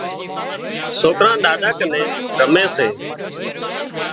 سوڪران ڏاڏا ڪنين رمي سي